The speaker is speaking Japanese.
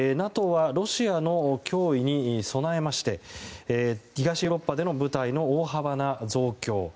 ＮＡＴＯはロシアの脅威に備えまして東ヨーロッパでの部隊の大幅な増強